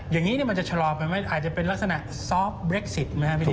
อย่างนี้มันจะชะลอไปไหมอาจจะเป็นลักษณะซอฟต์เรคซิตไหมครับพี่